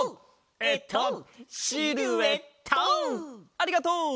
ありがとう！